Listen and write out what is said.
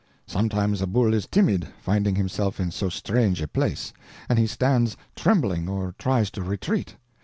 Sometimes a bull is timid, finding himself in so strange a place, and he stands trembling, or tries to retreat.